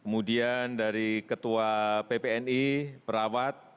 kemudian dari ketua ppni perawat